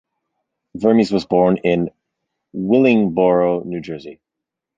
Vermes was born in Willingboro, New Jersey.